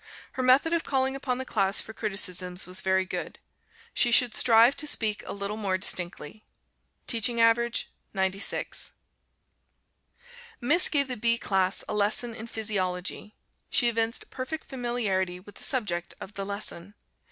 Her method of calling upon the class for criticisms was very good. She should strive to speak a little more distinctly. Teaching average, 96. Miss gave the B class a lesson in Physiology. She evinced perfect familiarity with the subject of the lesson.